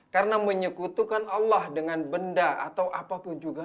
karena menyekutukan allah dengan benda atau apapun juga